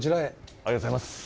ありがとうございます。